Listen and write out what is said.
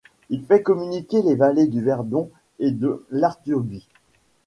Il fait communiquer les vallées du Verdon et de l'Artuby.